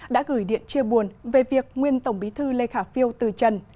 đã gửi điện chia buồn về việc nguyên tổng bí thư lê khả phiêu từ trần